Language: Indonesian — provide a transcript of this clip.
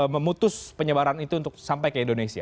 memutus penyebaran itu untuk sampai ke indonesia